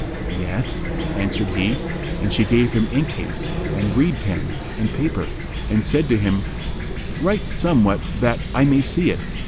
"Yes,'' answered he, and she gave him ink case and reed pen and paper and said to him, "Write somewhat that I may see it."